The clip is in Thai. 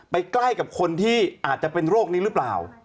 ใกล้กับคนที่อาจจะเป็นโรคนี้หรือเปล่า